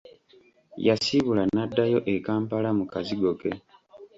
Yasiibula n'addayo e Kampala mu kazigo ke.